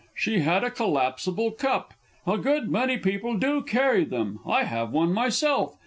"She had a collapsible cup." A good many people do carry them. I have one myself.